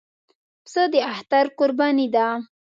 پسه د اختر قرباني ده.